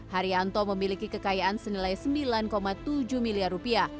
haryanto memiliki kekayaan senilai sembilan tujuh miliar rupiah